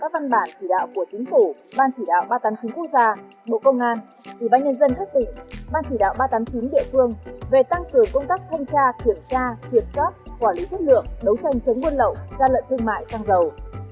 về tăng cường công tác thanh tra kiểm tra kiểm soát quản lý chất lượng đấu tranh chống buôn lậu gian lận thương mại xăng dầu